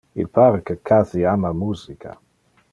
Il pare que Cathy ama muscia.